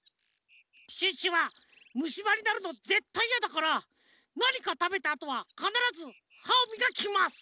シュッシュはむしばになるのぜったいやだからなにかたべたあとはかならずはをみがきます。